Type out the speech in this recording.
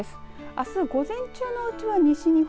あす午前中のうちは西日本